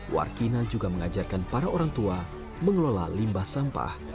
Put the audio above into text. warkina juga mengajarkan para orang tua mengelola limbah sampah